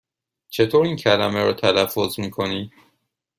چطور این کلمه را تلفظ می کنی؟